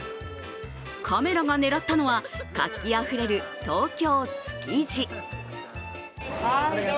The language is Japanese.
カメラが狙ったのは活気あふれる東京・築地。